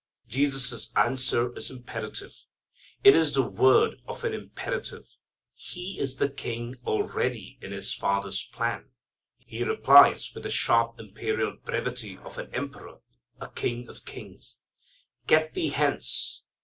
Jesus' answer is imperative. It is the word of an imperative. He is the King already in His Father's plan. He replies with the sharp, imperial brevity of an emperor, a king of kings, "Get thee hence!"